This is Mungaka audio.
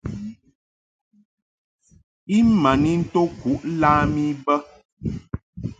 I ma n into kuʼ lam I bə.